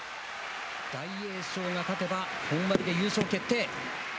大栄翔が勝てば本割で優勝決定。